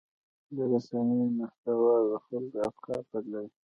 د رسنیو محتوا د خلکو افکار بدلوي.